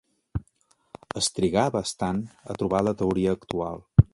Es trigà bastant a trobar la teoria actual.